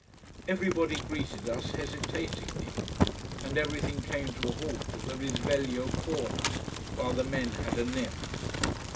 Everybody greeted us hesitatingly. And everything came to a halt at the Risveglio corner, while the men had a nip.